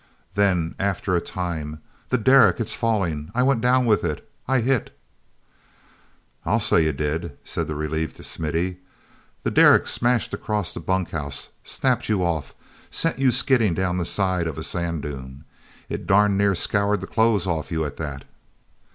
Then, after a time: "The derrick—it's falling! I went down with it!... I hit—" "I'll say you did," said the relieved Smithy. "The derrick smashed across the bunkhouse, snapped you off, sent you skidding down the side of a sand dune. It darned near scoured the clothes off you at that."